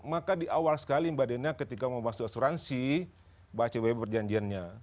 maka di awal sekali mbak dena ketika mau masuk asuransi baca baik perjanjiannya